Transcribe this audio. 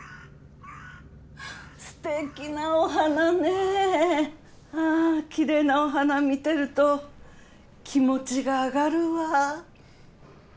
ステキなお花ねキレイなお花見てると気持ちが上がるわ。